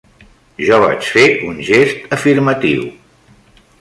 Jo vaig fer un gest afirmatiu.